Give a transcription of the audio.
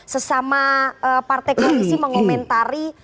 sesama partai koalisi mengomentari